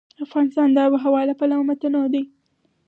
افغانستان د آب وهوا له پلوه متنوع دی.